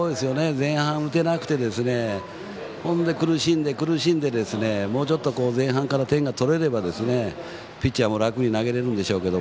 前半打てなくて苦しんで苦しんでもうちょっと前半から点が取れればピッチャーも楽に投げられるんでしょうけど。